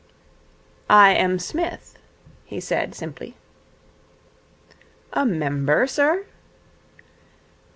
'I am Psmith,' he said simply. 'A member, sir?'